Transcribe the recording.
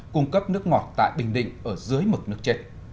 cung cấp nước ngọt tại bình định ở dưới mực nước chết